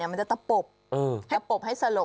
มันจะตะปบตะปบให้สลบ